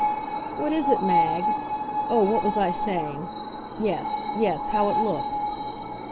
What is it, Mag? Oh, what was I saying? Yes yes, how it looks.